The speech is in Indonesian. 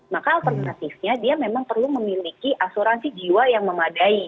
maka alternatifnya dia memang perlu memiliki asuransi jiwa yang memadai